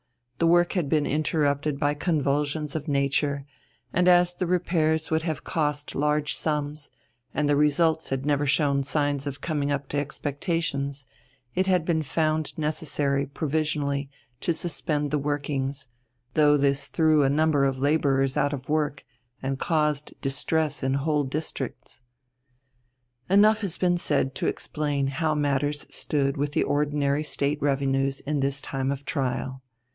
The work had been interrupted by convulsions of nature, and as the repairs would have cost large sums, and the results had never showed signs of coming up to expectations, it had been found necessary provisionally to suspend the workings, though this threw a number of labourers out of work and caused distress in whole districts. Enough has been said to explain how matters stood with the ordinary State revenues in this time of trial.